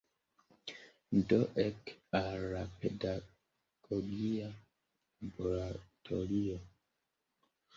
Do ek al la pedagogia laboratorio.